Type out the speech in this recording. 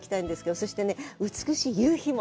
そしてね、美しい夕日も。